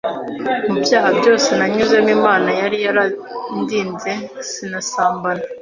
Mu byaha byose nanyuzemo Imana yari yarandinze sinasambana,